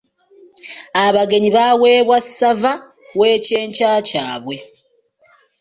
Abagenyi baweebwa ssava w’ekyenkya kyabwe.